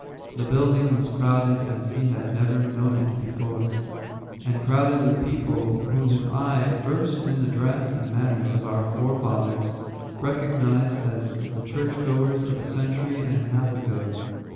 The building was crowded, as he had never known it before; and crowded with people whom his eye, versed in the dress and manners of our forefathers, recognized as the church goers of a century and a half ago.